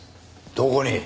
どこに？